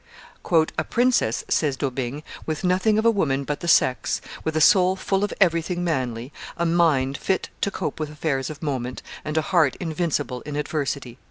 "A princess," says D'Aubigne, "with nothing of a woman but the sex, with a soul full of everything manly, a mind fit to cope with affairs of moment, and a heart invincible in adversity."